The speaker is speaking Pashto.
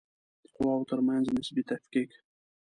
د قواوو ترمنځ نسبي تفکیک